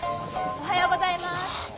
おはようございます。